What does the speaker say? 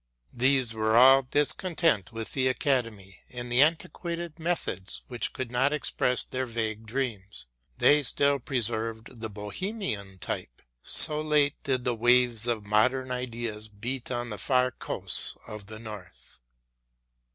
These were all discontent with the Academy and the antiquated methods which could not express their vague dreams. They still preserved the Bohemian type, so late did the waves of modern ideas beat on the far coasts of the North.